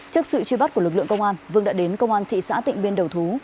trước sự truy bắt của lực lượng công an vương đã đến công an thị xã tịnh biên đầu thú